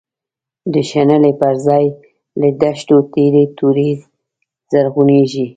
د شنلی بر ځای له دښتو، تیری توری زرعونیږی